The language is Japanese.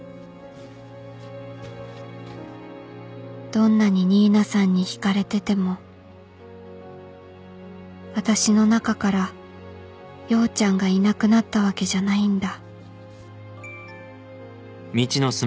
どんなに新名さんに引かれてても私の中から陽ちゃんがいなくなったわけじゃないんだ